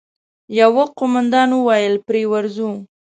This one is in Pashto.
يوه قوماندان وويل: پرې ورځو!